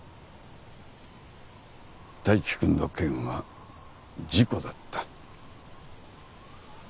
泰生君の件は事故だった。